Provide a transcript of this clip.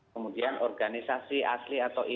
kemudian organisasi asli atau im